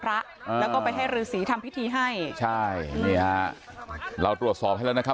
แล้วก็ไปให้รือสีทำพิธีให้ใช่นี่ฮะเราตรวจสอบให้แล้วนะครับ